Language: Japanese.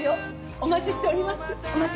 お待ちしております。